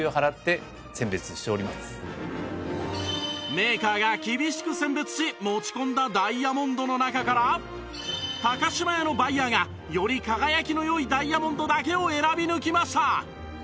メーカーが厳しく選別し持ち込んだダイヤモンドの中から島屋のバイヤーがより輝きの良いダイヤモンドだけを選び抜きました